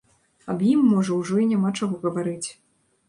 Аб ім можа ўжо і няма чаго гаварыць.